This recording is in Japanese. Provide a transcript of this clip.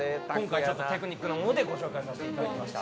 テクニックの方でご紹介させていただきました。